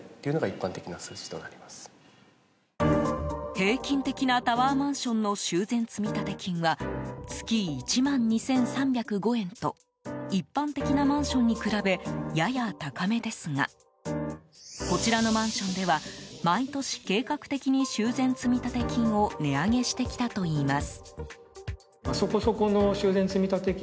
平均的なタワーマンションの修繕積立金は月１万２３０５円と一般的なマンションに比べやや高めですがこちらのマンションでは毎年、計画的に修繕積立金を値上げしてきたといいます。